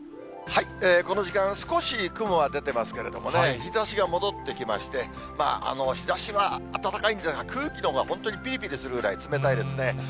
この時間、少し雲は出てますけどね、日ざしが戻ってきまして、日ざしは暖かいんですが、空気のほうが本当にぴりぴりするぐらい冷たいですね。